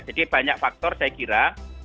jadi banyak faktor saya kira